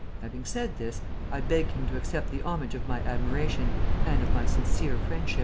"Having said this, I beg him to accept the homage of my admiration and of my sincere friendship.